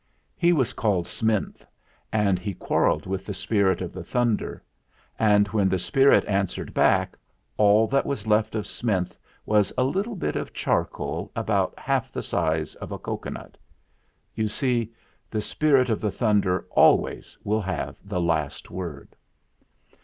He was called Sminth, and he quar relled with the Spirit of the Thunder ; and when the Spirit answered back, all that was left of Sminth was a little bit of charcoal about half the size of a cocoanut. You see, the Spirit of the Thunder always will have the last word.